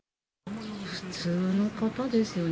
普通の方ですよね。